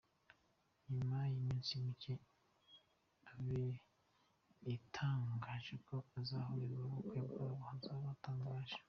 Ni nyuma y’iminsi mike Avril atangaje ko ahazakorerwa ubukwe bwabo hazaba hatangaje.